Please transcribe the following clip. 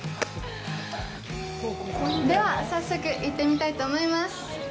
では、早速行ってみたいと思います。